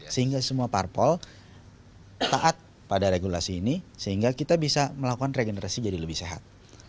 sehingga semua parpol taat pada regulasi ini sehingga kita bisa melakukan regenerasi jadi lebih sehat